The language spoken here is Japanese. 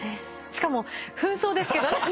しかも扮装ですけどね。